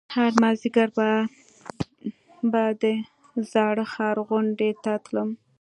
هر مازديگر به د زاړه ښار غونډۍ ته تلم.